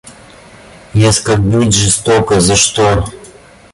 И оскорбить жестоко... За что?